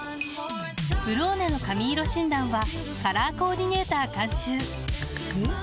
「ブローネ」の髪色診断はカラーコーディネーター監修おっ！